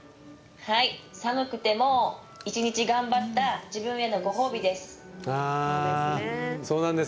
寒くても一日頑張った自分へのご褒美です。